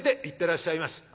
「行ってらっしゃいまし」。